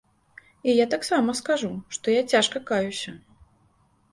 І я таксама скажу, што я цяжка каюся.